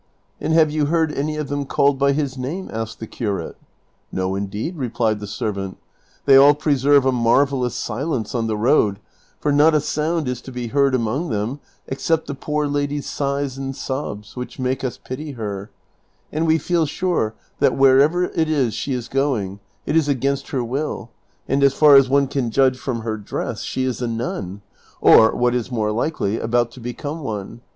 "And have you heard any of them called by his name?" asked the curate. " No, indeed," replied the servant ;" they all preserve a mar vellous silence on the road, for not a sound is to be heard among them except the poor lady's sighs and sobs, which make us pity her ; and we feel sure that wherever it is she is going, it is against her will, and as far as one can judge from her dress she is a nun or, what is more likely, about to become one ; CHAPTER XXXVI.